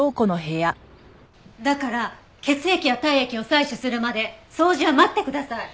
だから血液や体液を採取するまで掃除は待ってください。